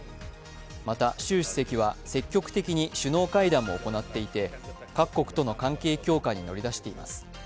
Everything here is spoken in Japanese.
また習主席は積極的に首脳会談も行っていて各国との関係強化に乗り出しています。